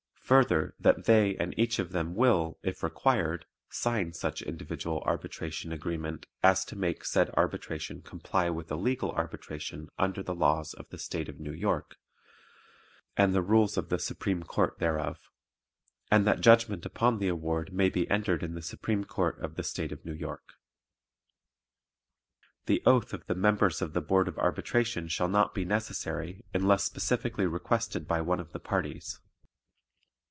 Further, that they and each of them will, if required, sign such individual arbitration agreement as to make said arbitration comply with a legal arbitration under the laws of the State of New York, and the rules of the Supreme Court thereof, and that judgment upon the award may be entered in the Supreme Court of the State of New York. The oath of the members of the Board of Arbitration shall not be necessary unless specifically requested by one of the parties.